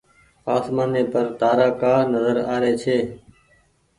آسمآني پر تآرآ ڪآ نزر آ ري ڇي۔